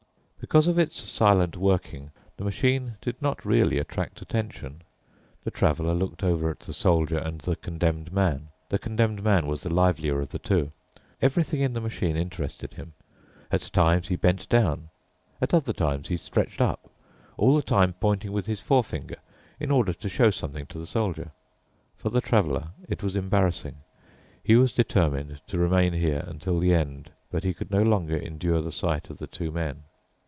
Because of its silent working, the machine did not really attract attention. The Traveler looked over at the Soldier and the Condemned Man. The Condemned Man was the livelier of the two. Everything in the machine interested him. At times he bent down—at other times he stretched up, all the time pointing with his forefinger in order to show something to the Soldier. For the Traveler it was embarrassing. He was determined to remain here until the end, but he could no longer endure the sight of the two men.